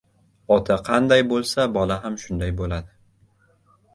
• Ota qanday bo‘lsa bola ham shunda bo‘ladi.